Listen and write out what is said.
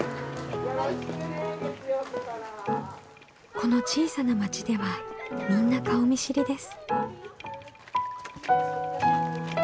この小さな町ではみんな顔見知りです。